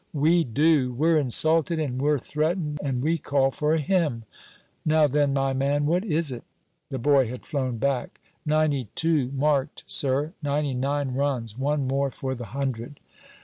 We do. We're insulted and we're threatened, and we call for a hymn! Now then, my man, what is it?' The boy had flown back. 'Ninety two marked, sir; ninety nine runs; one more for the hundred.'